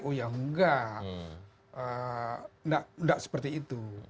oh ya nggak nggak seperti itu